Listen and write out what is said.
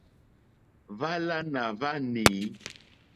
Hwálánà hwá nǐ.